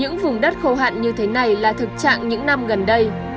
những vùng đất khô hạn như thế này là thực trạng những năm gần đây